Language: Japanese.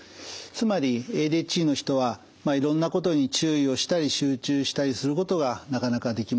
つまりＡＤＨＤの人はいろんなことに注意をしたり集中したりすることがなかなかできません。